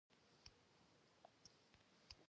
ګارلوک چیغې وهلې.